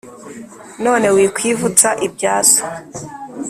none wikwivutsa ibya so!